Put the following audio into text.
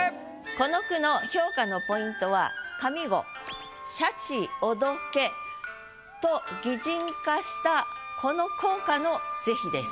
この句の評価のポイントは上五「鯱戯け」と擬人化したこの効果の是非です。